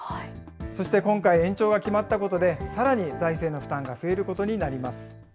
そして今回、延長が決まったことで、さらに財政の負担が増えることになります。